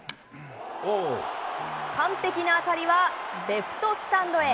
完璧な当たりは、レフトスタンドへ。